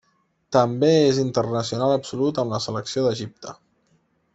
També és internacional absolut amb la selecció d'Egipte.